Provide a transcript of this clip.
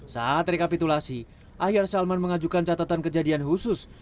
saat rekapitulasi ahyar salman mengajukan catatan kejadian khusus